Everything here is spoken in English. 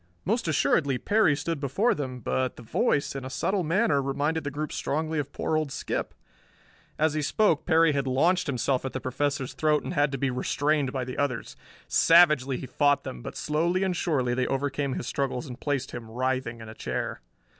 Most assuredly Perry stood before them, but the voice, in a subtle manner, reminded the group strongly of poor old Skip. As he spoke Perry had launched himself at the Professor's throat and had to be restrained by the others. Savagely he fought them but slowly and surely they overcame his struggles and placed him, writhing, in a chair.